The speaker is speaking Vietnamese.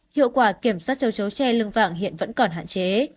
hiệu quả kiểm soát châu chấu tre lưng vàng hiện vẫn còn hạn chế